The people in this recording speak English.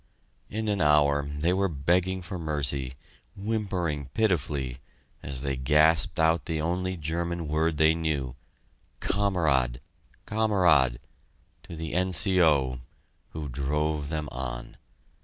In an hour they were begging for mercy, whimpering pitifully, as they gasped out the only German word they knew "Kamerad Kamerad" to the N.C.O., who drove them on.